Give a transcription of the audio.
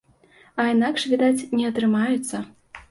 А інакш, відаць, не атрымаецца.